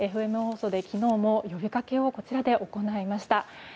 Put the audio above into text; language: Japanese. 昨日も呼びかけをこちらで行いました。